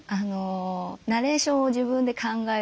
ナレーションを自分で考えるんですよね。